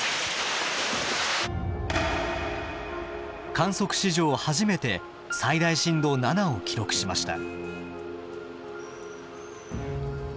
観測史上初めて最大震度７を記録しました。